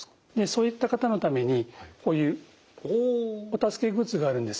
そういった方のためにこういうお助けグッズがあるんです。